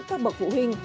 các bậc phụ huynh